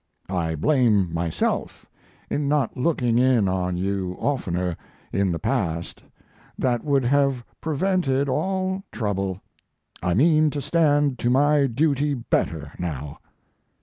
I blame myself in not looking in on you oftener in the past that would have prevented all trouble. I mean to stand to my duty better now.